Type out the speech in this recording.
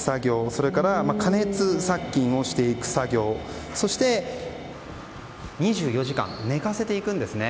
それから加熱殺菌をしていく作業そして、２４時間寝かせていくんですね。